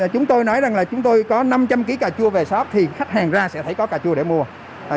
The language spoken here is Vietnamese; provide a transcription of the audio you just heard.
chúng tôi nói rằng là chúng tôi có năm trăm linh kg cà chua về shop thì khách hàng ra sẽ phải có cà chua để mua